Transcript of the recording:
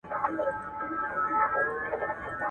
د حیواني سرچینو خواړه کم کړئ.